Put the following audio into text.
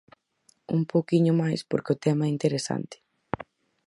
Un pouquiño máis porque o tema é interesante.